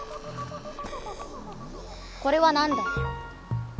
これは何だ？